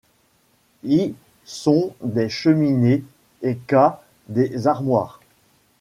I sont des cheminées et K des armoires.